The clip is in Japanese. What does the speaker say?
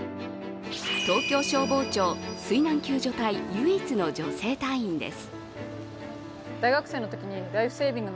東京消防庁、水難救助隊唯一の女性隊員です。